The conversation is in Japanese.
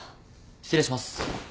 ・失礼します。